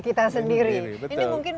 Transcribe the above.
kita sendiri ini mungkin